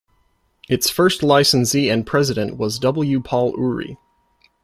Its first licensee and president was W. Paul Oury.